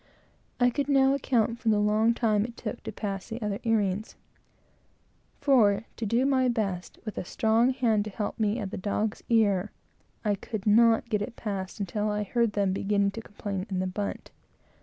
I could now account for the long time it took to pass the other earings, for, to do my best, with a strong hand to help me at the dog's ear, I could not get it passed until I heard them beginning to complain in the bunt.